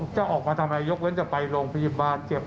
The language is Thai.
จะออกมาทำอะไรยกเว้นจะไปโรงพยาบาลเจ็บ